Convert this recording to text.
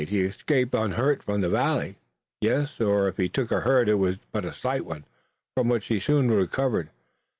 He escaped unhurt from the Valley?" "Yes, or if he took a hurt it was but a slight one, from which he soon recovered.